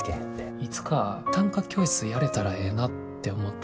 いつか短歌教室やれたらええなって思った。